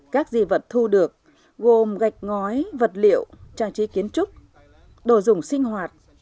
các di vật thu được gồm gạch ngói vật liệu trang trí kiến trúc đồ dùng sinh hoạt